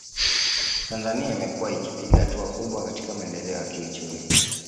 Tanzania imekuwa ikipiga hatua kubwa katika maendeleo ya kiuchumi